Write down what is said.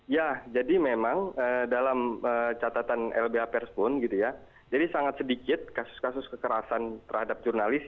ya jadi memang dalam catatan lbh pers pun gitu ya jadi sangat sedikit kasus kasus kekerasan terhadap jurnalis